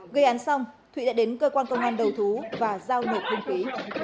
gây án xong thụy đã đến cơ quan công an đầu thú và giao nộp hình ký